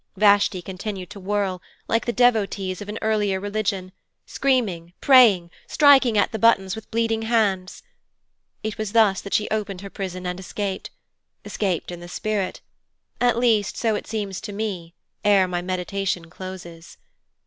Vashti continued to whirl, like the devotees of an earlier religion, screaming, praying, striking at the buttons with bleeding hands. It was thus that she opened her prison and escaped escaped in the spirit: at least so it seems to me, ere my meditation closes.